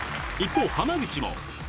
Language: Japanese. ［一方濱口も］